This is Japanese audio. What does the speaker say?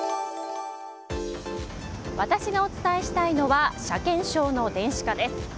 私がお伝えしたいのは車検証の電子化です。